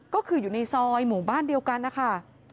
ก็คืออยู่ในซอยหมู่บ้านเดียวกันนะคะ